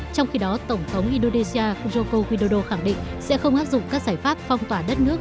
trong khi đó tổng thống indonesia joko widodo khẳng định sẽ không áp dụng các giải pháp phong tỏa đất nước